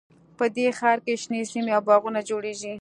په دې ښار کې شنې سیمې او باغونه جوړیږي